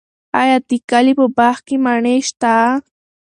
آیا د کلي په باغ کې مڼې شته؟